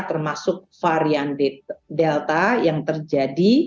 termasuk varian delta